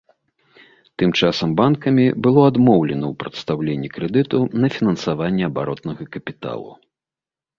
Тым часам банкамі было адмоўлена ў прадстаўленні крэдыту на фінансаванне абаротнага капіталу.